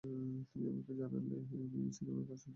তুমি আমাকে জানালে না আমাদের মিমি সিনেমায় কাজ করছে?